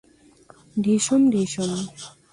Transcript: ঢিসুম, ঢিসুম!